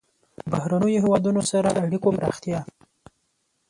له بهرنیو هېوادونو سره اړیکو پراختیا.